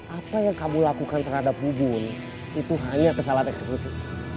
apa yang kamu lakukan terhadap bubun itu hanya kesalahan eksekusi